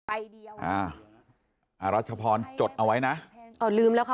อ่ะอ่ารัชพรจดเอาไว้นะอ่อลืมแล้วค่ะ